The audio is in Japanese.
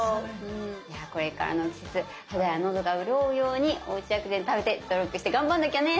これからの季節肌やのどがうるおうようにおうち薬膳食べて努力して頑張んなきゃね。